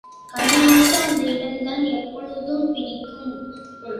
கண்ணனுக்கு அந்த இடம்தான் எப்பொழுதும் பிடிக்கும்.